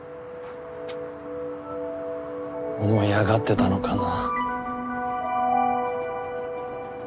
思い上がってたのかな。